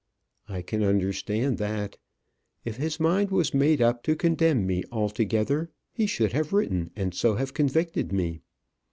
I can understand that. If his mind was made up to condemn me altogether, he should have written and so have convicted me.